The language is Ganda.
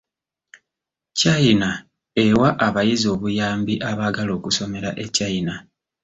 China ewa abayizi obuyambi abaagala okusomera e China.